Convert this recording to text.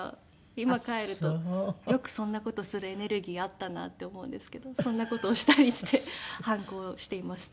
今返るとよくそんな事するエネルギーあったなって思うんですけどそんな事をしたりして反抗をしていました。